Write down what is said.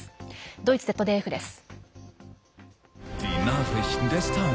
ドイツＺＤＦです。